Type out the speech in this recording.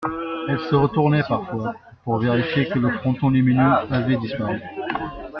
Elle se retournait parfois, pour vérifier que le fronton lumineux avait disparu.